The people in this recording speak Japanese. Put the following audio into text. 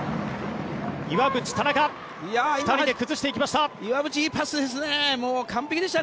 岩渕、田中２人で崩していきました。